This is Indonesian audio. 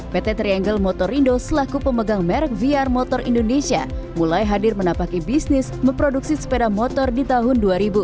pt triangle motor indo selaku pemegang merek vr motor indonesia mulai hadir menapaki bisnis memproduksi sepeda motor di tahun dua ribu empat belas